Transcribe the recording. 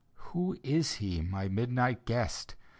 Who is he, my midnight guest?